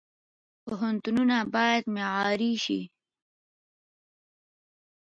پوهنتونونه باید معیاري شي